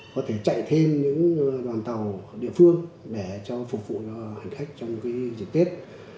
có thể chạy thêm những đoàn tàu địa phương để cho phục vụ hành khách trong cái dịch tết